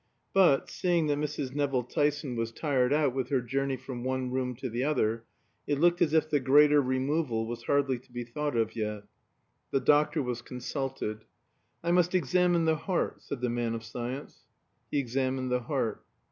But, seeing that Mrs. Nevill Tyson was tired out with her journey from one room to the other, it looked as if the greater removal was hardly to be thought of yet. The doctor was consulted. "I must examine the heart," said the man of science. He examined the heart.